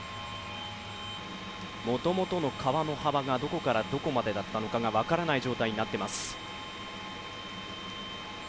もともとの川の幅がどこからどこまでだったのかが分からない状態になっています。